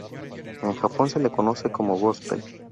En Japón se le conoce como Gospel.